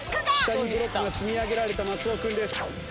下にブロックが積み上げられた松尾君です。